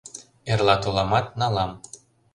Эрла толамат, налам.